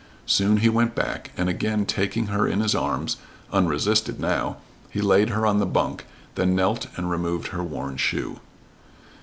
Soon he went back, and again taking her in his arms, unresisted now, he laid her on the bunk, then knelt and removed her worn shoe.